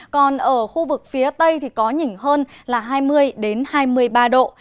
còn ở khu vực phía tây thì có nhỉnh hơn là hai mươi hai mươi ba độ